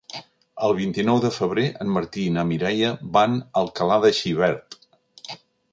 El vint-i-nou de febrer en Martí i na Mireia van a Alcalà de Xivert.